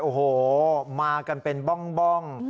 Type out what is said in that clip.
โอ้โหมากันเป็นบ้อง